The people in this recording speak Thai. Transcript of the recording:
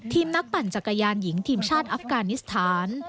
นักปั่นจักรยานหญิงทีมชาติอัฟกานิสถาน